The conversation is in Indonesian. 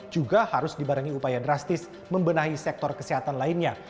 juga harus dibarengi upaya drastis membenahi sektor kesehatan lainnya